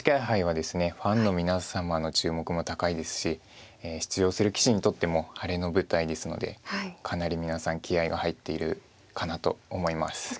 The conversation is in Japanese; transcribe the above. ＮＨＫ杯はですねファンの皆様の注目も高いですし出場する棋士にとっても晴れの舞台ですのでかなり皆さん気合いが入っているかなと思います。